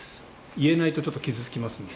「言えないとちょっと傷つきますんで」